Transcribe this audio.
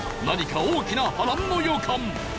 何か大きな波乱の予感。